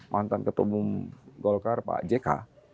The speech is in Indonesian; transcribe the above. mantan ketua umum golkar pak jk